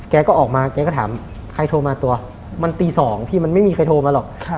แกก็ออกมาแกก็ถามใครโทรมาตัวมันตี๒พี่มันไม่มีใครโทรมาหรอก